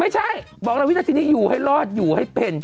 ไม่ใช่บอกแล้ววินาทีนี้อยู่ให้รอดอยู่ให้เป็น